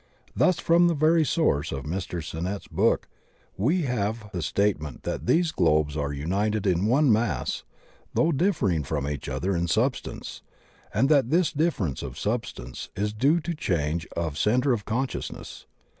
Thus from the very source of Mr. Sinnett's book we have the statement that these globes are imited in one mass though differing from each other in substance, and that tfiis difference of substance is due to change of centre of consciousness.